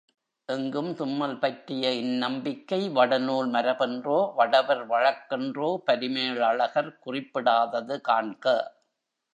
எங்கும் தும்மல் பற்றிய இந்நம்பிக்கை வடநூல் மரபென்றோ வடவர் வழக்கென்றோ பரிமேலழகர் குறிப்பிடாதது காண்க.